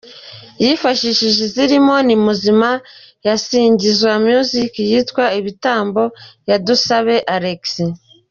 Yifashishije izirimo ‘‘Ni Muzima’’ ya Singiza Music n’iyitwa ‘‘Ibitambo’’ ya Dusabe Alexis.